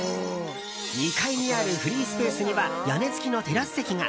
２階にあるフリースペースには屋根付きのテラス席が。